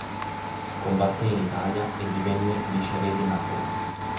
Combatté in Italia e divenne viceré di Napoli.